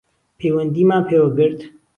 پەیوەندیمان پێوە گرت